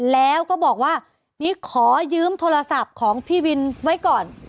แล้วก็บอกว่านี่ขอยืมโทรศัพท์ของพี่วินไว้ก่อน